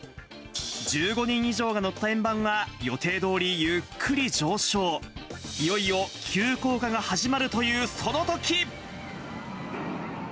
１５人以上が乗った円盤が予定どおりゆっくり上昇、いよいよ急降下が始まるというそのとき。